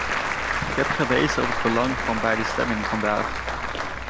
Ik heb gewezen op het belang van bij de stemming vandaag.